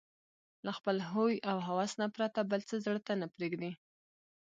له خپل هوى او هوس نه پرته بل څه زړه ته نه پرېږدي